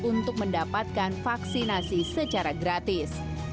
untuk mendapatkan vaksinasi secara gratis